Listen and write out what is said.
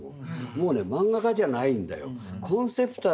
もうねマンガ家じゃないんだよ。